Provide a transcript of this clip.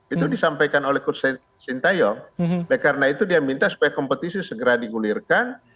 itu disampaikan oleh coach sintayong karena itu dia minta supaya kompetisi segera digulirkan